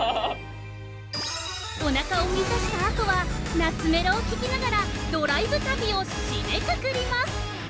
◆おなかを満たしたあとは懐メロを聞きながらドライブ旅を締めくくります！